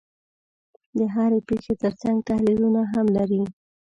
د هرې پېښې ترڅنګ تحلیلونه هم لري.